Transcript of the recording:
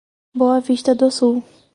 Boa Vista do Sul